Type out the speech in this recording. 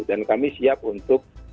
dan kami siap untuk